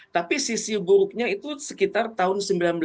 tapi sisi buruknya itu sekitar tahun seribu sembilan ratus sembilan puluh